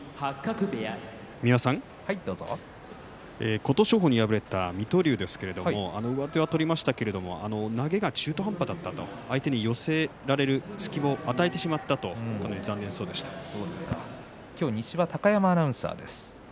琴勝峰に敗れた水戸龍ですけれど上手を取りましたけれど投げが中途半端だったと相手に寄せられる隙を与えてしまったと残念そうに言っていました。